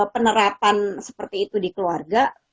penerapan seperti itu di keluarga